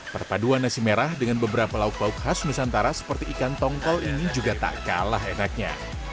perpaduan nasi merah dengan beberapa lauk lauk khas nusantara seperti ikan tongkol ini juga tak kalah enaknya